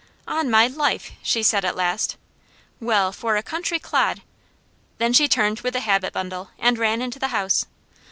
"On my life!" she said at last. "Well for a country clod !" Then she turned with the habit bundle, and ran into the house.